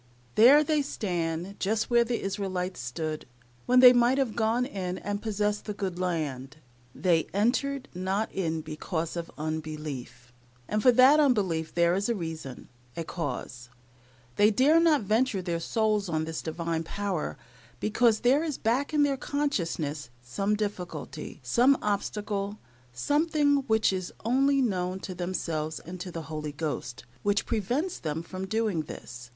There they stand, just where the Israelites stood, when they might have gone in and possessed the good land. "They entered not in because of unbelief," and for that unbelief there is a reason a cause. They dare not venture their souls on this Divine power, because there is back in their consciousness some difficulty, some obstacle, something which is only known to themselves and the Holy Ghost, which prevents them from doing this.